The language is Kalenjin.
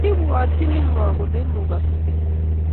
Kibwatyini ngo kole imugaskei?